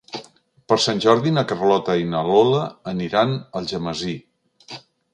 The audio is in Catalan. Per Sant Jordi na Carlota i na Lola aniran a Algemesí.